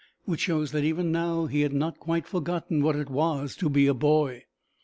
which shows that even now he had not quite forgotten what it was to be a boy.